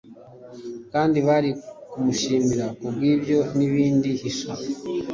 kandi bari kumushimira kubwibyo N'ibindi Hisha